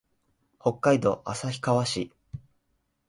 北海道旭川市